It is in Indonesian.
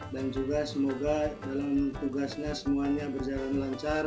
dan juga semoga dalam tugasnya semuanya berjalan lancar